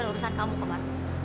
terima kasih pak